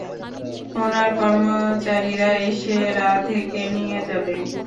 উনার কর্মচারীরা এসে রাধেকে নিয়ে যাবে।